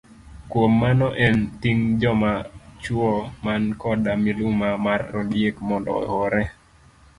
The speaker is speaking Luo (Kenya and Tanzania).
Kuom mano en ting' joma chuo man koda miluma mar ondiek mondo ohore.